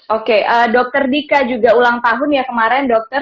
oke dokter dika juga ulang tahun ya kemarin dokter